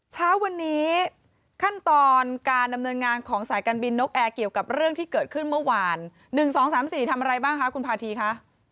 เช้าวันนี้ขั้นตอนการดำเนินงานของสายการบินนกแอร์เกี่ยวกับเรื่องที่เกิดขึ้นเมื่อวาน๑๒๓๔ทำอะไรบ้างคะคุณพาธีคะ